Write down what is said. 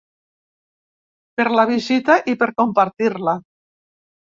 Per la visita, i per compartir-la.